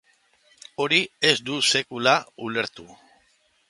Hori ez dut sekula ulertu.